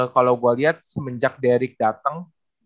kalau gue lihat semenjak derek dateng